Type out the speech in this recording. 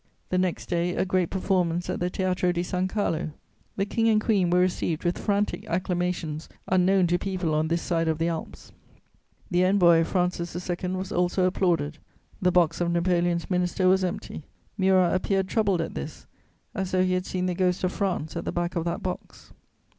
The next day, a great performance at the Teatro di San Carlo; the King and Queen were received with frantic acclamations unknown to people on this side of the Alps. The Envoy of Francis II. was also applauded; the box of Napoleon's Minister was empty; Murat appeared troubled at this, as though he had seen the ghost of France at the back of that box.